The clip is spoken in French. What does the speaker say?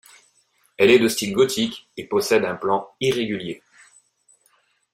Elle est de style gothique et possède un plan irrégulier.